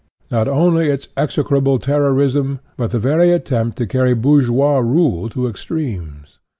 Not only its " execrable " ter rorism, but the very attempt to carry bourgeois rule to extremes.